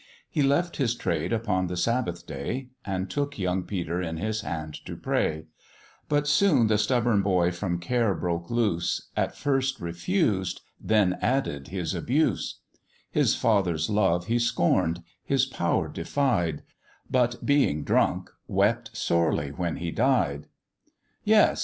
He left his trade upon the Sabbath day, And took young Peter in his hand to pray: But soon the stubborn boy from care broke loose, At first refused, then added his abuse: His father's love he scorn'd, his power defied, But being drunk, wept sorely when he died. Yes!